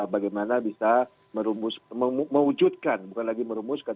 bagaimana bisa merumujudkan bukan lagi merumuskan